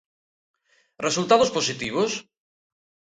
¿Resultados positivos?